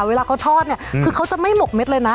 เวลาเขาทอดเนี่ยคือเขาจะไม่หมกเม็ดเลยนะ